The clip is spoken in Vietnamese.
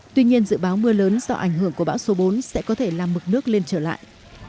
tuy nhiên dự báo mưa lớn do ảnh hưởng của bão số bốn sẽ có thể làm mực nước lên trở lại